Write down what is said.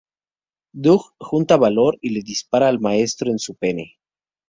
Doug junta valor y le dispara al maestro en su pene.